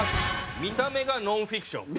見た目がノンフィクション。